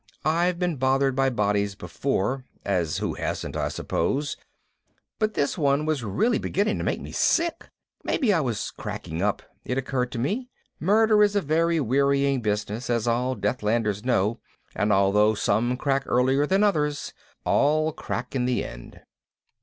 I've been bothered by bodies before (as who hasn't, I suppose?) but this one was really beginning to make me sick. Maybe I was cracking up, it occurred to me. Murder is a very wearing business, as all Deathlanders know, and although some crack earlier than others, all crack in the end.